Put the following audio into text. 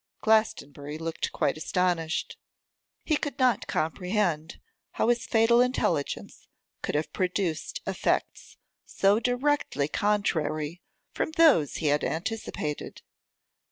Glastonbury looked quite astonished; he could not comprehend how his fatal intelligence could have produced effects so directly contrary from those he had anticipated.